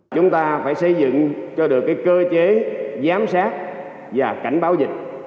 chúng ta phải xây dựng cho được cơ chế giám sát và cảnh báo dịch